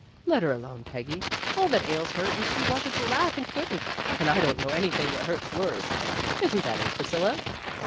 "Let her alone, Peggy. All that ails her is she wanted to laugh and couldn't, and I don't know anything that hurts worse. Isn't that it, Priscilla?"